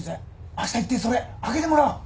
あした行ってそれ開けてもらおう。